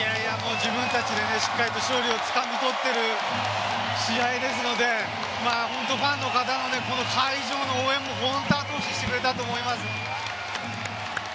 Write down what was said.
自分たちで勝利をしっかりと掴み取っている試合ですので、本当にファンの方の会場の応援も後押ししてくれたと思います。